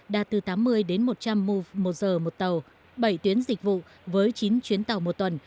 đạt từ tám mươi đến một trăm linh mo một giờ một tàu bảy tuyến dịch vụ với chín chuyến tàu một tuần